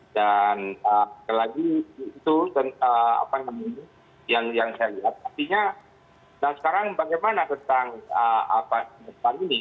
dan kemudian itu yang saya lihat artinya dan sekarang bagaimana tentang apa yang terjadi ini